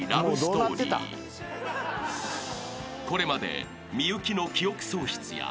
［これまで］